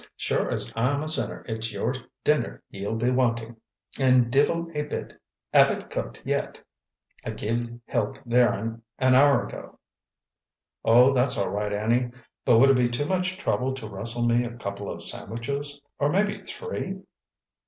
"Sure as I'm a sinner it's yer dinner ye'll be wantin'—an' divil a bit av it cooked yet. I give the help theirn an hour ago!" "Oh, that's all right, Annie. But would it be too much trouble to rustle me a couple of sandwiches—or maybe three?"